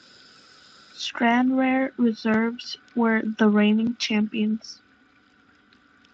Stranraer reserves were the reigning champions.